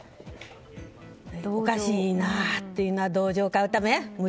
おかしいなというのは同情を買うため？